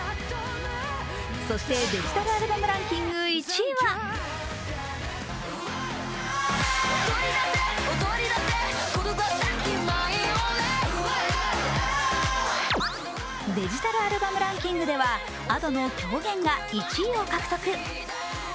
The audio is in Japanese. そして、デジタルアルバムランキング１位はデジタルアルバムランキングではＡｄｏの「狂言」が１位を獲得。